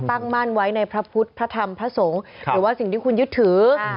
มั่นไว้ในพระพุทธพระธรรมพระสงฆ์หรือว่าสิ่งที่คุณยึดถือ